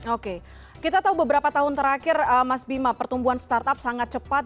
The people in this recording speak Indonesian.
oke kita tahu beberapa tahun terakhir mas bima pertumbuhan startup sangat cepat